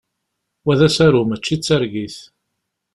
Wa d asaru mačči d targit!